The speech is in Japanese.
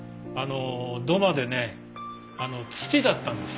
土間でね土だったんです。